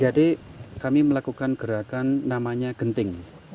jadi kami melakukan gerakan namanya genting